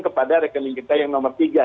kepada rekening kita yang nomor tiga